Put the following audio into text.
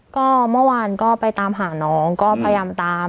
ก็เมื่อวานก็ไปตามหาน้องก็พยายามตาม